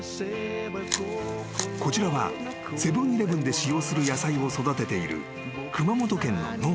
［こちらはセブン―イレブンで使用する野菜を育てている］